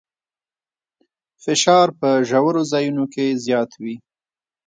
فشار په ژورو ځایونو کې زیات وي.